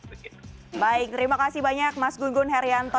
baik terima kasih banyak mas gun gun herianto